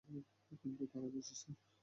কিন্তু তারে দেখছি স্যার।